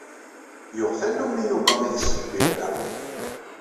Yuɣ tannumi Yuba itess lbirra.